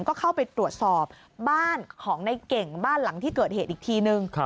ก็เข้าไปตรวจสอบบ้านของในเก่งบ้านหลังที่เกิดเหตุอีกทีนึง